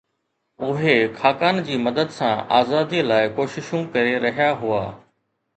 اهي خاقان جي مدد سان آزاديءَ لاءِ ڪوششون ڪري رهيا هئا